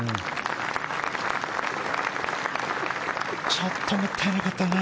ちょっともったいなかったな